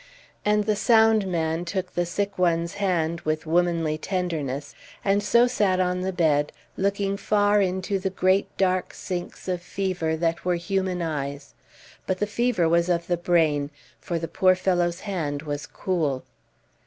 And the sound man took the sick one's hand with womanly tenderness; and so sat on the bed, looking far into the great dark sinks of fever that were human eyes; but the fever was of the brain, for the poor fellow's hand was cool.